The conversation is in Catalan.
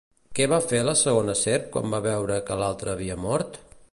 Què va fer la segona serp quan va veure que l'altra havia mort?